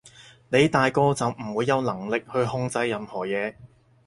你大個就唔會有能力去控制任何嘢